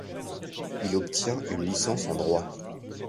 Il obtient une licence en droit.